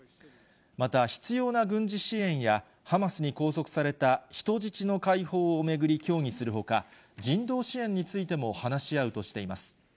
また必要な軍事支援や、ハマスに拘束された人質の解放を巡り協議するほか、人道支援についても話し合うとしています。